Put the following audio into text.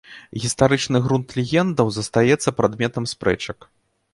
Гістарычны грунт легендаў застаецца прадметам спрэчак.